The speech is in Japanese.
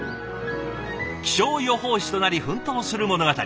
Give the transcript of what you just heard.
気象予報士となり奮闘する物語。